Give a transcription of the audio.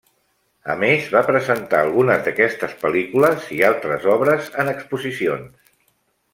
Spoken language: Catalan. A més, va presentar algunes d'aquestes pel·lícules i altres obres en exposicions.